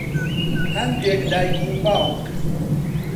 هەندێک دایک و باوک